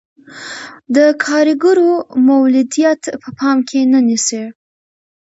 د کارګرو مولدیت په پام کې نه نیسي.